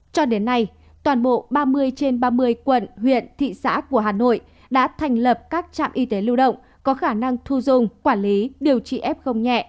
cho đến nay toàn bộ ba mươi trên ba mươi quận huyện thị xã của hà nội đã thành lập các trạm y tế lưu động có khả năng thu dung quản lý điều trị f nhẹ